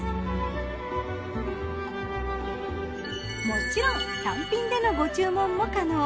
もちろん単品でのご注文も可能。